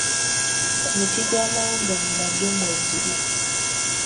emiti gya mawogani nagyo mwegiri.